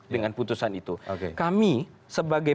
dengan putusan itu kami sebagai